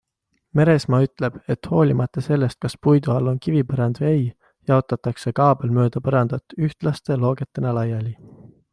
Meresmaa ütleb, et hoolimata sellest, kas puidu all on kivipõrand või ei, jaotatakse kaabel mööda põrandat ühtlaste loogetena laiali.